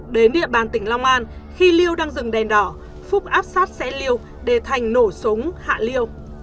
đến địa bàn tỉnh long an khi liêu đang dừng đèn đỏ phúc áp sát xe liêu để thành nổ súng hạ liêu